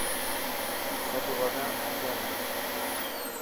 سب وڳا مانجا هي.